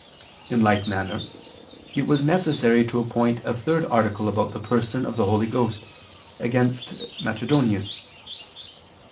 In like manner it was necessary to appoint a third article about the Person of the Holy Ghost, against Macedonius.